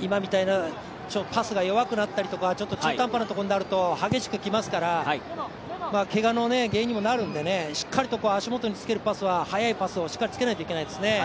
今みたいな、パスが弱くなったりとかちょっと中途半端なところになると、激しくきますからけがの原因にもなるのでしっかり足元につけるパスは速いパスをしっかりつけないといけないですね。